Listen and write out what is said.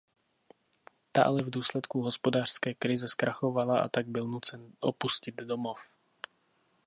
Ta ale v důsledku hospodářské krize zkrachovala a tak byl donucen opustit domov.